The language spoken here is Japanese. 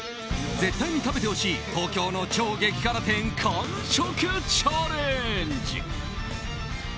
絶対に食べてほしい東京の超激辛店完食チャレンジ！